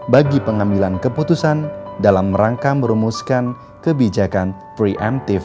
bagi pengambilan keputusan dalam rangka merumuskan kebijakan pre emptive